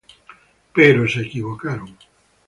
Pero se equivocaron.